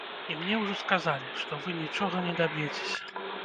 І мне ўжо сказалі, што вы нічога не даб'ецеся.